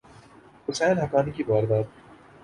حسین حقانی کی واردات